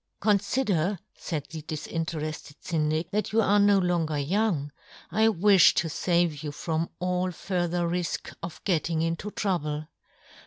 35 " Conlider," faid the dilinterefted Syndic, " that you are no longer " young ; I wifh to fave you from all " further rifk of getting into trouble.